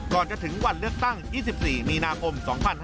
ก่อนจะถึงวันเลือกตั้ง๒๔มีนาคม๒๕๕๙